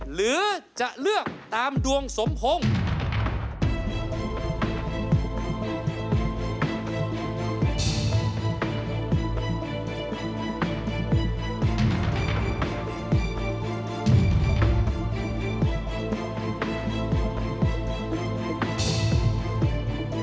หรือจะเลือกตามดวงสมพงษ์